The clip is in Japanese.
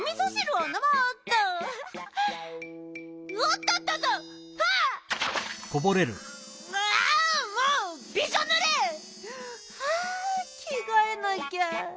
はぁきがえなきゃ。